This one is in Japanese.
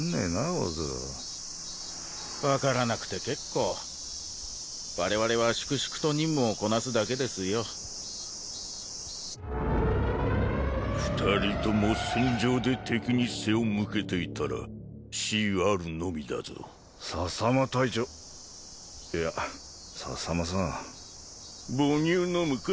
小津分からなくて結構我々は粛々と忍務をこなすだけですよ二人とも戦場で敵に背を向けていたら死あるのみだぞ佐々魔隊長いや佐々魔さん母乳飲むか？